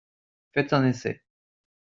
Faites un essai.